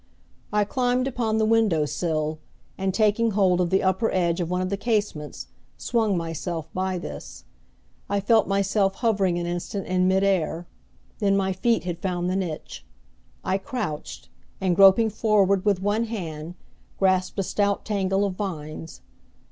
I climbed upon the window sill, and, taking hold of the upper edge of one of the casements, swung myself by this. I felt myself hovering an instant in mid air. Then my feet had found the niche. I crouched, and, groping forward with one hand, grasped a stout tangle of vines.